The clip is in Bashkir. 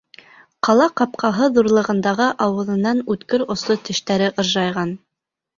Ҡала ҡапҡаһы ҙурлығындағы ауыҙынан үткер осло тештәре ыржайған.